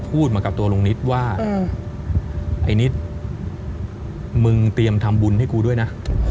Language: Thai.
พูดมากับตัวลุงนิดว่าไอ้นิดมึงเตรียมทำบุญให้กูด้วยนะ